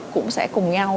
cũng sẽ cùng nhau